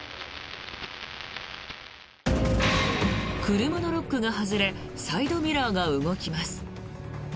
車のロックが外れサイドミラーが動きます。